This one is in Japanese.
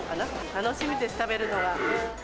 楽しみです、食べるのが。